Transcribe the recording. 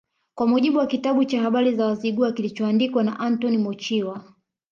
Kwa mujibu wa kitabu cha Habari za Wazigua kilichoandikwa na Antoni Mochiwa